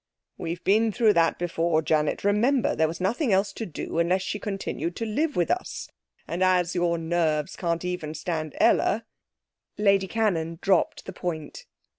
'We've been through that before, Janet. Remember, there was nothing else to do unless she continued to live with us. And as your nerves can't even stand Ella ' Lady Cannon dropped the point.